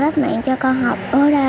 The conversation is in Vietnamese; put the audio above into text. lớp mạng cho con học